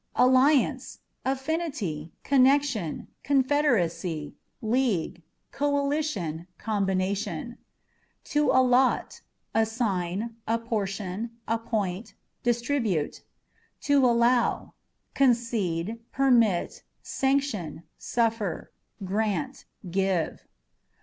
Alliance â€" affinity, connection ; confederacy, league, coalition, combination. To Allot â€" assign, apportion, appoint, distribute. To Allow â€" concede ; permit, sanction, suffer ; grant, give.